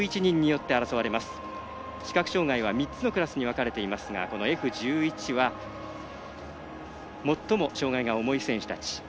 視覚障がいは３つのクラスに分かれていますがＦ１１は最も障がいが重い選手たち。